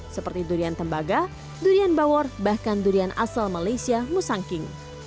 seperti durian tembaga durian bawor bahkan durian asal malaysia musangking